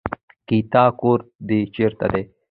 ګيتا کور دې چېرته دی.